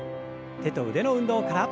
手と腕の運動から。